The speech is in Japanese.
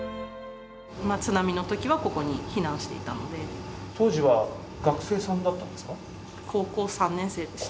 津波のときはここに避難して当時は学生さんだったんです高校３年生でした。